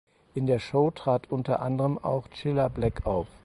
In der Show trat unter anderen auch Cilla Black auf.